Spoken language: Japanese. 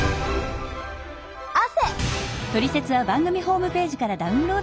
「汗」！